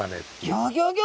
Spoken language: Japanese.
ギョギョギョ！